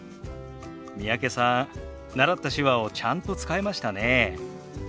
三宅さん習った手話をちゃんと使えましたね。